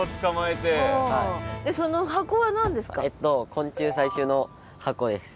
昆虫採集の箱です。